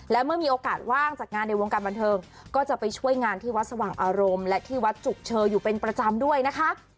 และเมื่อมีโอกาสว่างจากงานในวงการบันเทิงก็จะไปช่วยงานที่วัดสว่างอารมณ์และที่วัดจุกเชออยู่เป็นประจำด้วยนะคะ